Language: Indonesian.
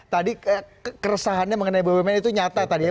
tadi keresahannya mengenai bumn itu nyata tadi ya